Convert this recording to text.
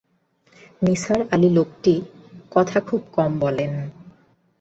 নিসার আলি লোকটি কথা খুব কম বলেন।